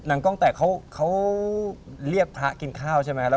กล้องแต่เขาเรียกพระกินข้าวใช่ไหม